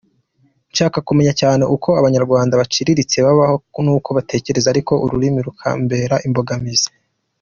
Nshaka kumenya cyane uko abanyarwanda baciriritse babaho n’uko batekereza, ariko ururimi rukambera imbogamizi.